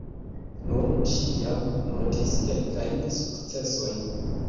Nun ŝi jam notis kelkajn sukcesojn.